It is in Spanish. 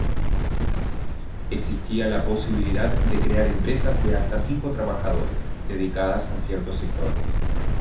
Existía la posibilidad de crear empresas de hasta cinco trabajadores, dedicadas a ciertos sectores.